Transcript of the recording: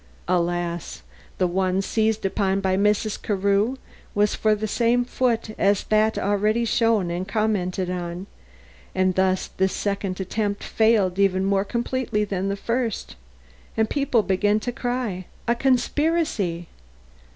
Alas! the one seized upon by Mrs. Carew was for the same foot as that already shown and commented on, and thus this second attempt failed even more completely than the first, and people began to cry, "A conspiracy!"